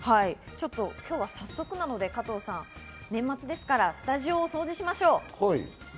今日はせっかくなので加藤さん、年末ですからスタジオを掃除しましょう。